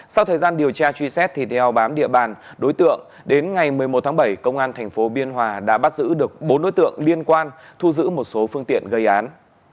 sau thời gian điều tra truy xét thì theo bám địa bàn đối tượng đến ngày một mươi một tháng bảy công an tp biên hòa đã bắt giữ được bốn đối tượng liên quan thu giữ một số phương tiện gây án